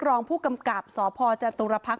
รองผู้กำกับสพจตุรพักษ